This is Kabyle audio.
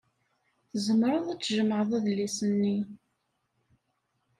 Tzemreḍ ad tjemɛeḍ adlis-nni.